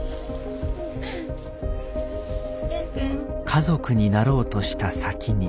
家族になろうとした先に。